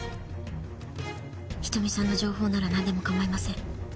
瞳さんの情報ならなんでも構いません。